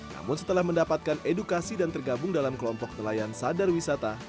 namun setelah mendapatkan edukasi dan tergabung dalam kelompok nelayan sadar wisata